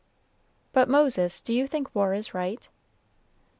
"But, Moses, do you think war is right?"